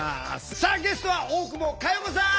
さあゲストは大久保佳代子さん！